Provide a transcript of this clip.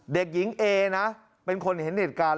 เด็กหญิงเอนะเป็นคนเห็นเหตุการณ์